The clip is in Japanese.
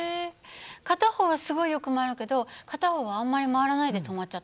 片方はすごいよく回るけど片方はあんまり回らないで止まっちゃった。